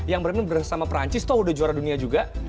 yang benar benar bersama prancis tuh udah juara dunia juga